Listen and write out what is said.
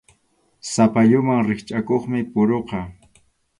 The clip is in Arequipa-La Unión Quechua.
Sapalluman rikchʼakuqmi puruqa.